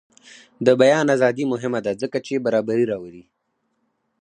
د بیان ازادي مهمه ده ځکه چې برابري راولي.